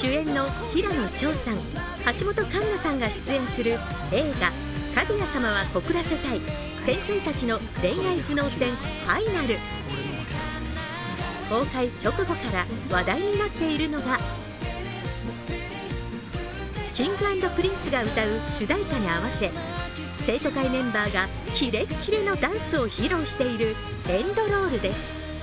主演の平野紫耀さん、橋本環奈さんが出演する映画「かぐや様は告らせたい天才たちの恋愛頭脳戦ファイナル」公開直後から話題になっているのがＫｉｎｇ＆Ｐｒｉｎｃｅが歌う主題歌に合わせ生徒会メンバーがキレッキレのダンスを披露しているエンドロールです。